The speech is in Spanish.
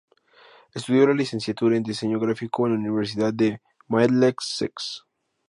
Estudió la licenciatura en Diseño Gráfico en la Universidad de Middlesex.